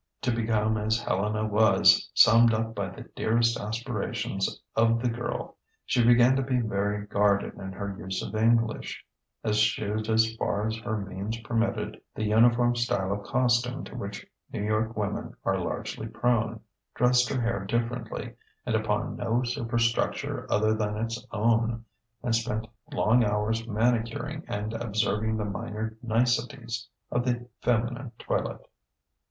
To become as Helena was, summed up the dearest aspirations of the girl. She began to be very guarded in her use of English, eschewed as far as her means permitted the uniform style of costume to which New York women are largely prone, dressed her hair differently and upon no superstructure other than its own, and spent long hours manicuring and observing the minor niceties of the feminine toilet.